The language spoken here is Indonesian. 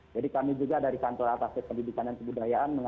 jadi kami juga dari kantor atas pendidikan dan kebudayaan